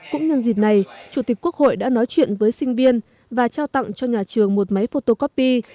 cũng nhân dịp này chủ tịch quốc hội đã nói chuyện với sinh viên và trao tặng cho nhà trường một máy photocopy